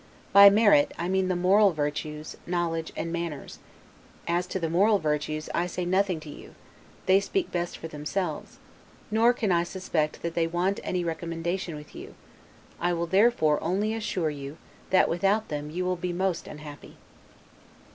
By merit, I mean the moral virtues, knowledge, and manners; as to the moral virtues, I say nothing to you; they speak best for themselves, nor can I suspect that they want any recommendation with you; I will therefore only assure you, that without them you will be most unhappy.